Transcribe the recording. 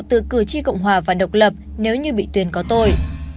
từ cử tri cộng hòa và độc lập nếu như bị tuyên có tội